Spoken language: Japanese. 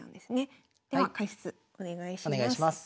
では解説お願いします。